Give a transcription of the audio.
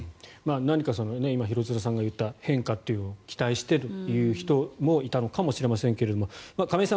何か今、廣津留さんが言った変化というのを期待してという人もいたのかもしれませんが亀井さん